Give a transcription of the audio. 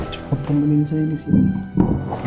coba pemenin saya disini